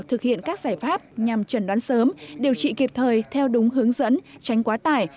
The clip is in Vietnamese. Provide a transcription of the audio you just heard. thực hiện các giải pháp nhằm trần đoán sớm điều trị kịp thời theo đúng hướng dẫn tránh quá tải